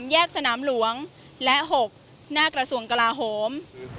แยกสนามหลวงและ๖หน้ากระทรวงกลาโหม